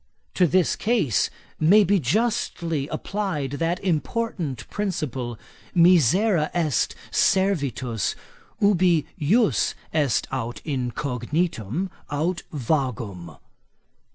To this case may be justly applied that important principle, misera est servitus ubi jus est aut incognitum aut vagum.